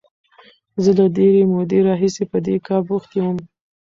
زه له ډېرې مودې راهیسې په دې کار بوخت وم.